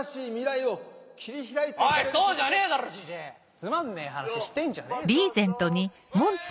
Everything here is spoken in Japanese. つまんねえ話してんじゃねえぞ。